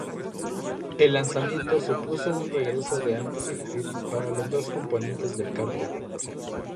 El lanzamiento supuso un regreso de alto perfil para los dos componentes del cartel.